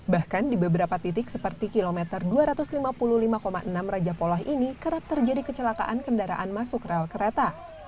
bahkan di beberapa titik seperti kilometer dua ratus lima puluh lima enam raja polah ini kerap terjadi kecelakaan kendaraan masuk rel kereta